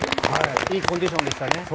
いいコンディションでしたね。